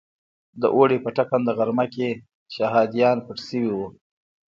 د اوړي په ټکنده غرمه کې شهادیان پټ شوي وو.